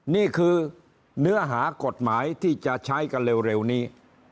นี่คือเนื้อหากฎหมายที่จะใช้กันเร็วนี้